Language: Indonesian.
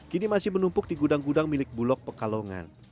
kini masih menumpuk di gudang gudang milik bulog pekalongan